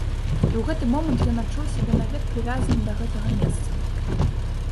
І ў гэты момант ён адчуў сябе навек прывязаным да гэтага месца.